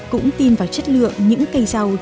cũng tin vào chất lượng những cây rau